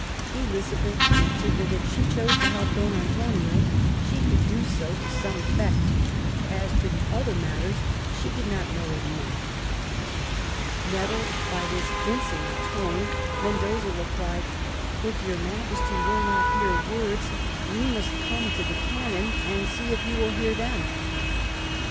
Elizabeth answered that if she chose to help Don Antonio she could do so to some effect; as to' the other matters, she did not know what he meant. Nettled by this insolent tone, Mendoza replied :" If your Majesty will not hear words, we must come to the cannon and see if you will hear them